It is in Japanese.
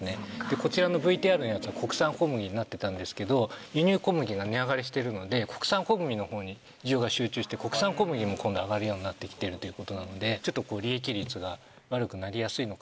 こちらのＶＴＲのやつは国産小麦になってたんですけど輸入小麦が値上がりしてるので国産小麦のほうに需要が集中して国産小麦も今度上がるようになって来てるということなのでちょっとこう利益率が悪くなりやすいのかな。